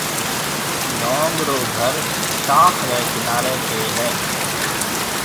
لونگ رو گهر شاخ ريَ ڪناريَ تي هيَ۔